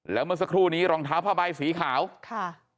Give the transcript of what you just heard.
แล้วเมื่อสักครู่นี้รองเท้าผ้าใบสีขาวค่ะ